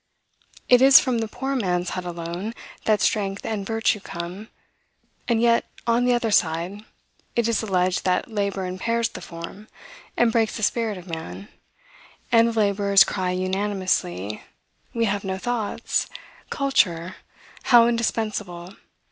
It is from the poor man's hut alone, that strength and virtue come; and yet, on the other side, it is alleged that labor impairs the form, and breaks the spirit of man, and the laborers cry unanimously, "We have no thoughts." Culture, how indispensable!